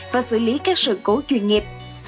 và xử lý các sự cố chuyên nghiệp